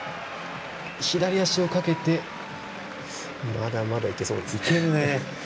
まだまだ、いけそうですね。